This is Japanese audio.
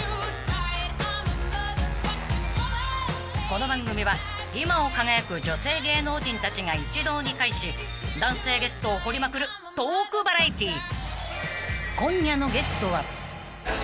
［この番組は今を輝く女性芸能人たちが一堂に会し男性ゲストを掘りまくるトークバラエティー］